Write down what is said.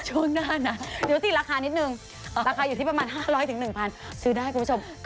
ช่วงหน้านะเดี๋ยวติดราคานิดนึงราคาอยู่ที่ประมาณ๕๐๐๑๐๐ซื้อได้คุณผู้ชม